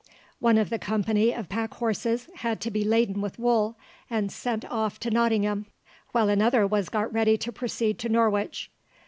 One of the company of pack horses had to be laden with wool and sent off to Nottingham, while another was got ready to proceed to Norwich.